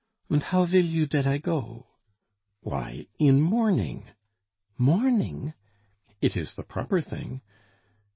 "Und how vill you dat I go?" "Why, in mourning " "Mourning!" "It is the proper thing."